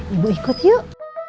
ibu ikut yuk